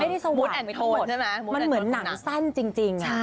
แล้วคุณดูภาพค่ะแนวมากเลยอ่านมันเหมือนหนังสั้นจริง